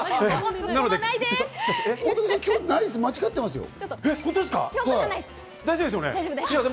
間違ってますよ。